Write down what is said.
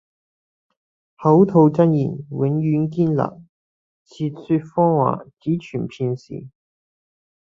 口吐真言，永遠堅立；舌說謊話，只存片時。